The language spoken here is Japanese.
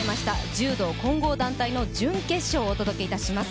柔道混合団体の準決勝をお届けします。